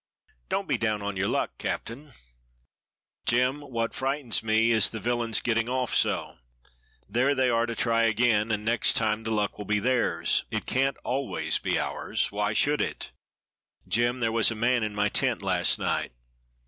"Don't be down on your luck, captain!" "Jem, what frightens me is the villains getting off so; there they are to try again, and next time the luck will be theirs it can't be always ours why should it? Jem, there was a man in my tent last night."